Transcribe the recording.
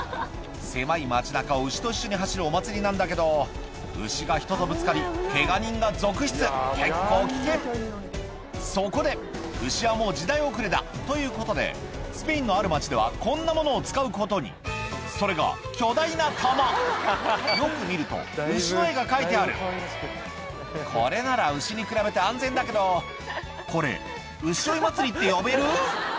狭い町中を牛と一緒に走るお祭りなんだけど牛が人とぶつかりケガ人が続出結構危険そこで牛はもう時代遅れだということでスペインのある町ではこんなものを使うことにそれが巨大な玉よく見ると牛の絵が描いてあるこれなら牛に比べて安全だけどこれ牛追い祭りって呼べる？